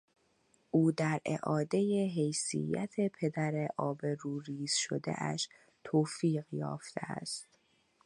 او در اعادهی حیثیت پدر آبروریز شدهاش توفیق یافته است.